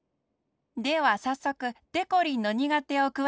ではさっそくでこりんのにがてをくわしくしらべましょう。